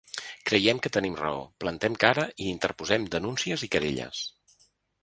Creiem que tenim raó, plantem cara i interposem denúncies i querelles.